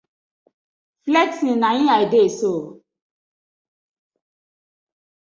Flexing na it I dey so ooo.